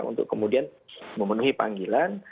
untuk kemudian memenuhi panggilan